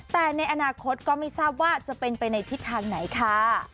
แต่ในอนาคตก็ไม่ทราบว่าจะเป็นไปในทิศทางไหนค่ะ